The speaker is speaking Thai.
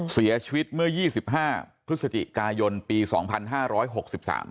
เสียชีวิตเมื่อยี่สิบห้าพฤศจิกายนปีสองพันห้าร้อยหกสิบสาม